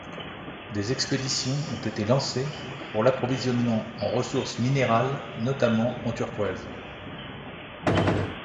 Des expéditions ont été lancées pour l'approvisionnement en ressources minérales, notamment en turquoise.